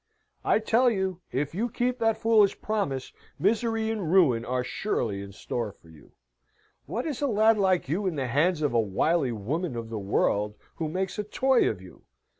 I tell you, if you keep that foolish promise, misery and ruin are surely in store for you. What is a lad like you in the hands of a wily woman of the world, who makes a toy of you?